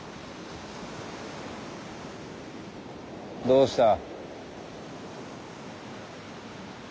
どうした。